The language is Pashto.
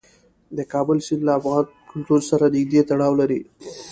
د کابل سیند له افغان کلتور سره نږدې تړاو لري.